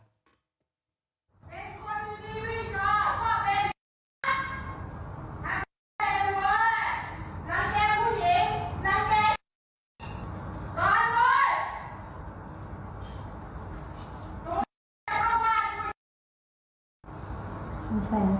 เป็นคนมีดีวิจารณ์พ่อเป็นน้ำแก่ผู้หญิงน้ำแก่ตอนร้อย